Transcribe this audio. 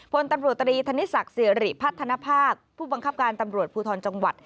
พลตำรวจตรีธนิศักดิ์สิริพัฒนภาคผู้บังคับการตำรวจภูทรจังหวัด